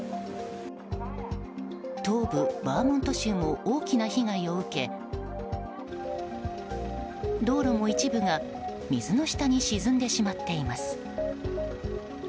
東部バーモント州も大きな被害を受け道路も一部が水の下に沈んでしまっています。